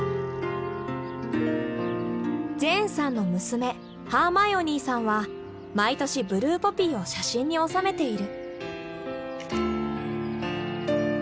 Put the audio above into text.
ジェーンさんの娘ハーマイオニーさんは毎年ブルーポピーを写真に収めている。